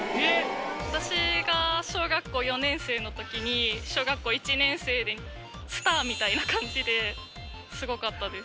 私が小学校４年生のときに、小学校１年生で、スターみたいな感じで、すごかったです。